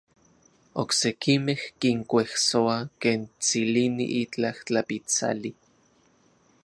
Oksekimej kinkuejsoa ken tsilini itlaj tlapitsali.